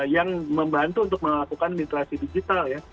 yang membantu untuk melakukan interaksi digital